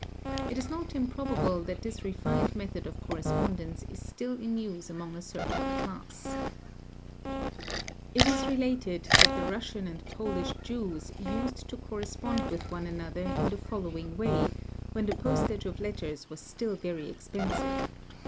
It is not impro bable that this refined method of correspondence is still in use among a certain class ©), It is related that the Russian and Polish Jews used to correspond with one another in the following: way when the postage of letters was still | very expensive.